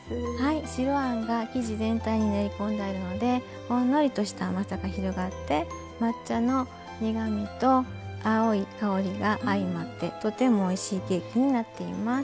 白あんが生地全体に練り込んであるのでほんのりとした甘さが広がって抹茶の苦みと青い香りが相まってとてもおいしいケーキになっています。